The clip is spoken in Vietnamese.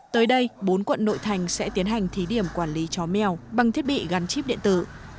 tới đây bốn quận nội thành sẽ tiến hành thí điểm quản lý chó mèo bằng thiết bị gắn chip điện tử